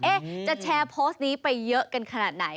จะแชร์โพสต์นี้ไปเยอะกันขนาดไหน